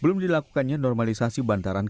belum dilakukannya normalisasi bantaran